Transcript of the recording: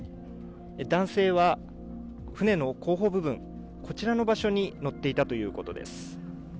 男性は船の後方部分、こちらの場所に乗っていたということです。